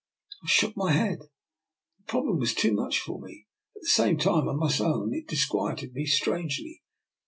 I shook my head. The problem was too much for me. At the same time I must own it disquieted me strangely.